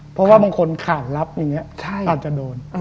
เพราะว่าบางคนขาดลับอย่างนี้อาจจะโดน